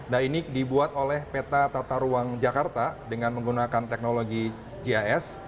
dainnic dibuat oleh peta tata ruang jakarta dengan menggunakan teknologi gis